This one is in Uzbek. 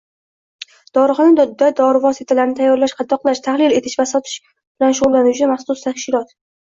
Dorixona dori vositalarini tayyorlash, qadoqlash, tahlil etish va sotish bilan shug‘ullanuvchi maxsus tashkilot